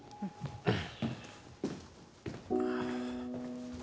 うん。